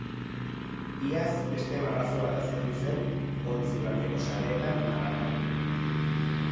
Iaz beste marrazo bat azaldu zen ontzi bateko sareetan harrapatuta.